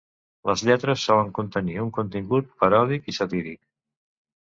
Les lletres solen contenir un contingut paròdic i satíric.